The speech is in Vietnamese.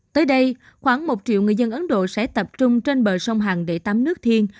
tới đây khoảng một triệu người dân ấn độ sẽ tập trung trên bờ sông hằng để tắm nước thiên